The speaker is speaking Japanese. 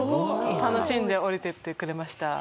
楽しんで降りてってくれました。